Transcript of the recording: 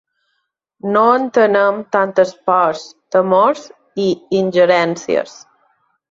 No entenem tantes pors, temors i ingerències.